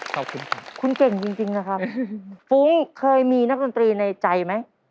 ขอบคุณครับคุณเก่งจริงนะครับฟุ้งเคยมีนักดนตรีในใจไหม